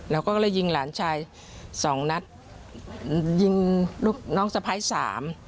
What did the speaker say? เราก็เลยยิงหลานชายสองนัดยิงลูกน้องสะพ้ายสาม